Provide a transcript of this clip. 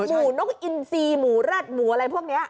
หมูนกอินซีหมูแร็ดหมูอะไรพวกนี้